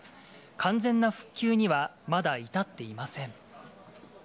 完全な復旧には、まだ至っていません。